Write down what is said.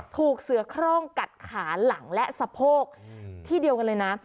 ถูกเสือคร่องกัดขาหลังและสะโพกที่เดียวกันเลยนะ